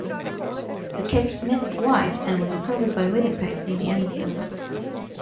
The kick missed wide, and was recovered by Winnipeg in the end zone.